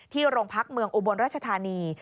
ที่โรงพักษณ์เมืองอุบลรัชธานี